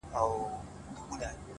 بيا ولې ستا د ښايست هغه عالمگير ورک دی”